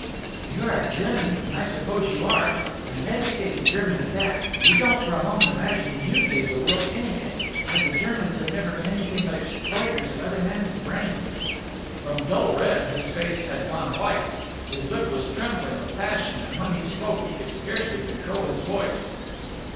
"If you are a German, and I suppose you are, and an educated German at that, you don't for a moment imagine you gave the world anything. Why, the Germans have never been anything but exploiters of other men's brains." From dull red, his face had gone white, his lip was trembling with passion and when he spoke he could scarcely control his voice.